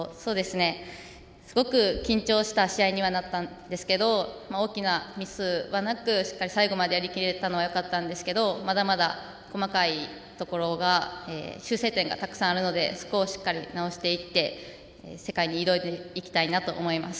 すごく緊張した試合にはなったんですけど大きなミスはなくしっかり最後までやり切れたのはよかったんですけどまだまだ細かいところ修正点がたくさんあるのでそこをしっかり直していって世界に挑んでいきたいなと思います。